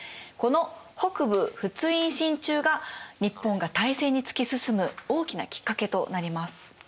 この北部仏印進駐が日本が大戦に突き進む大きなきっかけとなります。